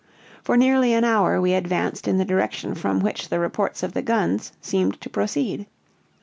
For nearly an hour we advanced in the direction from which the reports of the guns seemed to proceed.